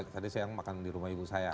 tadi saya yang makan di rumah ibu saya